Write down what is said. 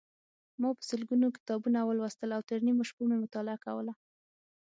ما په سلګونو کتابونه ولوستل او تر نیمو شپو مې مطالعه کوله.